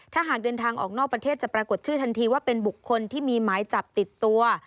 ถ้าหากเดินทางออกนอกประเทศจะปรากฏชื่อทันทีว่าเป็นบุคคลที่มีหมายจับติดตัว